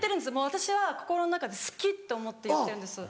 私は心の中で好きって思って言ってるんです。